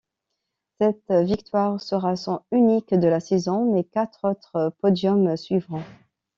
Cette victoire sera son unique de la saison mais quatre autre podiums suivront.